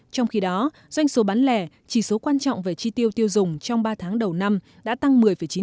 trong khi đó doanh số bán lẻ chỉ số quan trọng về chi tiêu tiêu dùng trong ba tháng đầu năm đã tăng một mươi chín